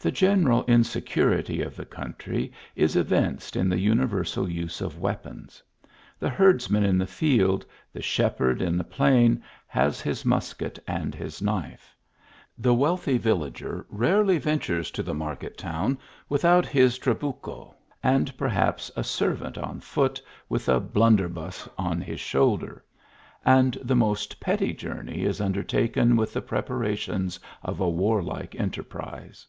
The general insecurity of the country is evinced in the universal use of weapons. The herdsman in the field, the shepherd in the plain has his musket and his knife. The wealthy villager rarely ventures to the market town without his trabuchp ; and, per haps, a servant on foot with a blunderbuss on his shoulder ; and the most petty journey is undertaken with the preparations of a warlike enterprse.